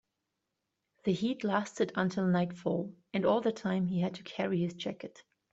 The heat lasted until nightfall, and all that time he had to carry his jacket.